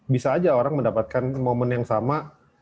bisa aja orang mendapatkan momen yang sama